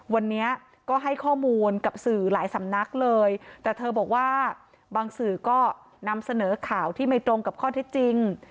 วันนี้ก็ให้ข้อมูลกับสื่อหลายสำนักเลยแต่เธอบอกว่าบางสื่อก็นำเสนอข่าวที่ไม่ตรงกับข้อเท็จจริง